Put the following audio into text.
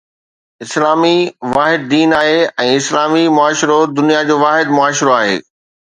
اسلام ئي واحد دين آهي ۽ اسلامي معاشرو دنيا جو واحد معاشرو آهي